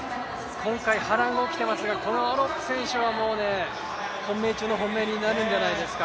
今回波乱が起きていますがこのアロップ選手は本命中の本命になるんじゃないですか。